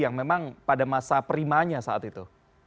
yang memang pada masa primanya saat itu